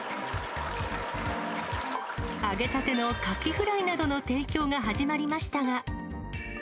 揚げたてのカキフライなどの提供が始まりましたが。